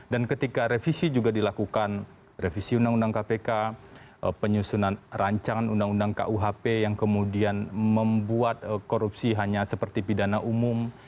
dan ketika revisi juga dilakukan revisi undang undang kpk penyusunan rancangan undang undang kuhp yang kemudian membuat korupsi hanya seperti pidana umum